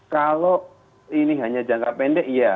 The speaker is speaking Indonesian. kalau ini hanya jangka pendek iya